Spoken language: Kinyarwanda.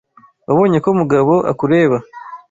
Wabonye ko Mugabo akureba?